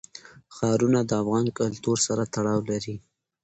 ښارونه د افغان کلتور سره تړاو لري.